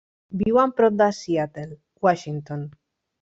Viuen prop de Seattle, Washington.